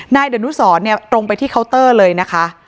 นายดะนุสรตรงไปที่เคาน์เตอร์เลยนะคะ